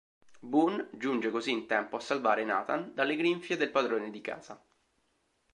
Boon giunge così in tempo a salvare Nathan dalle grinfie del padrone di casa.